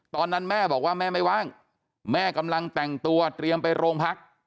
ตอนนั้นแม่บอกว่าแม่ไม่ว่างแม่กำลังแต่งตัวเตรียมไปโรงพัก